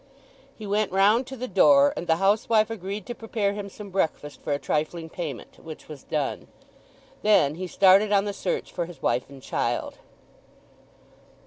He went round to the door, and the housewife agreed to prepare him some breakfast for a trifling payment, which was done. Then he started on the search for his wife and child.